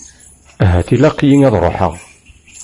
Ahat ilaq-iyi ad ruḥeɣ.